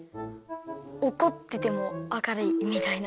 おこっててもあかるいみたいな？